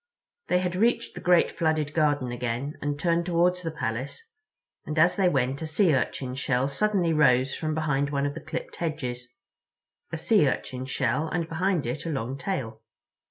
They had reached the great flooded garden again and turned toward the Palace, and as they went a Sea Urchin shell suddenly rose from behind one of the clipped hedges—a Sea Urchin shell and behind it a long tail.